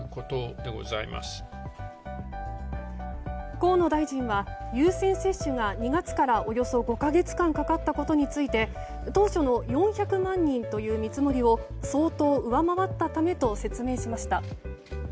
河野大臣は優先接種が、２月からおよそ５か月間かかったことについて当初の４００万人という見積もりを相当上回ったためと説明しました。